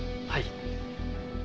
はい。